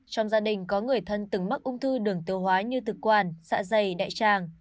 trong gia đình có người thân từng mắc ung thư đường tiêu hóa như thực quản xạ dày đại tràng